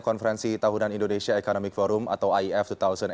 konferensi tahunan indonesia economic forum atau iif dua ribu delapan belas